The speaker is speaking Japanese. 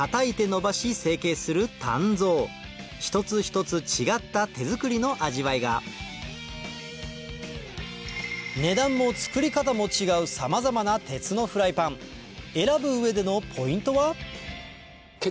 一つ一つ違った手作りの味わいが値段も作り方も違うさまざまな鉄のフライパン選ぶ上でのポイントは？